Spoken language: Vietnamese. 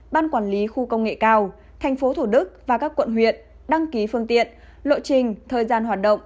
ban quản lý khu công nghệ cao tp thủ đức và các quận huyện đăng ký phương tiện lộ trình thời gian hoạt động